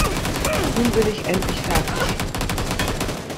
Nun bin ich endlich fertig.